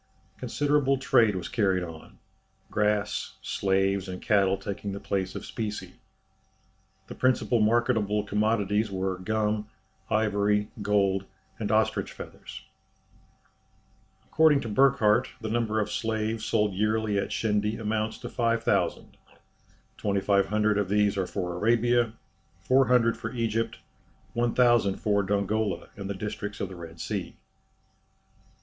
Considerable trade was carried on grass, slaves, and cattle taking the place of specie. The principal marketable commodities were gum, ivory, gold, and ostrich feathers. According to Burckhardt, the number of slaves sold yearly at Shendy amounts to 5000; 2500 of these are for Arabia, 400 for Egypt, 1000 for Dongola and the districts of the Red Sea.